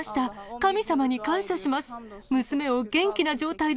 神様に感謝します。